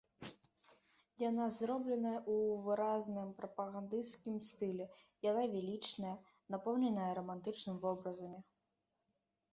Яна зробленая ў выразным прапагандысцкім стылі, яна велічная, напоўненая рамантычнымі вобразамі.